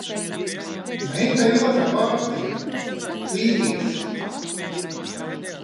Meitai otrā vārda diena – Līvijas.